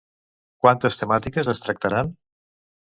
Quantes temàtiques es tractaran?